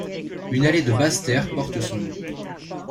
Une allée de Basse-Terre porte son nom.